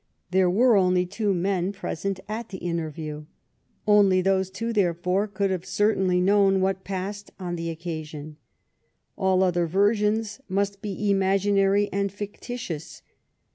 There were only two men present at the interview. Only those two, therefore, could have certainly known what passed on the occasion. All other versions must be imaginary and fictitious.